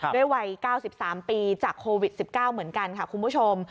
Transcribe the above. ด้วยวัย๙๓ปีจากโควิด๑๙เหมือนกันค่ะคุณผู้ชม